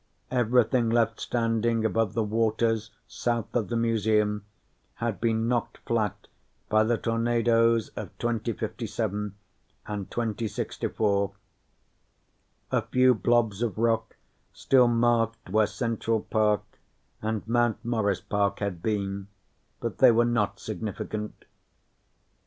Everything left standing above the waters south of the Museum had been knocked flat by the tornados of 2057 and 2064. A few blobs of rock still marked where Central Park and Mount Morris Park had been, but they were not significant.